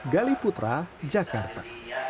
gali putra jakarta